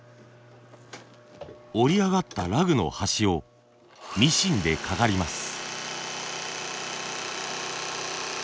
織り上がったラグの端をミシンでかがります。